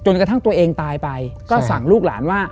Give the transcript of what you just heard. กระทั่งตัวเองตายไปก็สั่งลูกหลานว่า